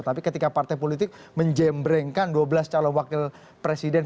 tapi ketika partai politik menjembrengkan dua belas cawawakil presiden